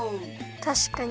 たしかに！